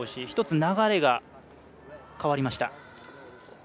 １つ、流れが変わりました。